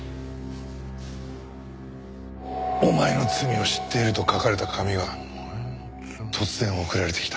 「お前の罪を知っている」と書かれた紙が突然送られてきた。